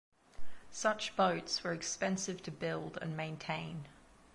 Such boats were expensive to build and maintain.